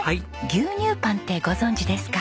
牛乳パンってご存じですか？